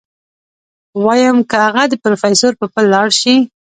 ويم که اغه د پروفيسر په پل لاړ شي.